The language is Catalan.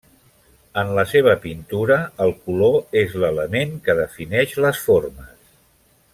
En la seva pintura, el color és l'element que defineix les formes.